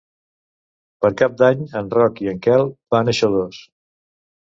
Per Cap d'Any en Roc i en Quel van a Xodos.